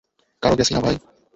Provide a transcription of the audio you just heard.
কারো গেসি না ভাই।